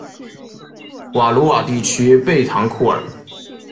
瓦卢瓦地区贝唐库尔。